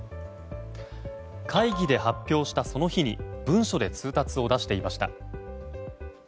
会議で発表したその日に文書で通達を出していました。